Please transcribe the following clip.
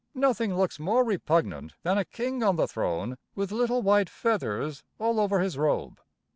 Nothing looks more repugnant than a king on the throne, with little white feathers all over his robe.